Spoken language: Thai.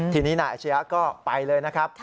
ทีนี้นายอาชียะก็ไปเลยนะครับ